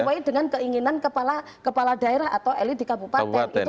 sesuai dengan keinginan kepala daerah atau elit di kabupaten